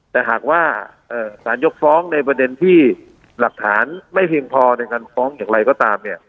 แต่หากว่าสารยกฟ้องในประเด็นที่หลักฐานไม่เพียงพอในการฟ้องอย่างไรก็ตามเนี่ย